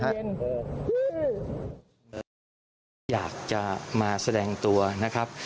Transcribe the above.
อยากจะมาแสดงตัวนะครับ